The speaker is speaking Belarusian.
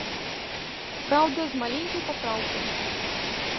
Праўда, з маленькай папраўкай.